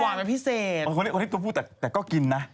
ความเป็นพิเศษอันนี้ตัวผู้แต่ก็กินนะ